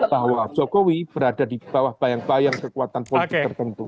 bahwa jokowi berada di bawah bayang bayang kekuatan politik tertentu